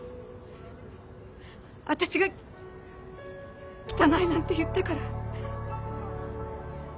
私が「汚い」なんて言ったから。